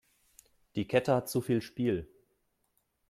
Die Kette hat zu viel Spiel.